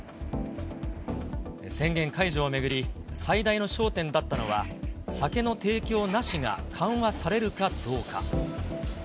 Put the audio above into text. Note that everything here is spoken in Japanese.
宣言解除を巡り、最大の焦点だったのは、酒の提供なしが緩和されるかどうか。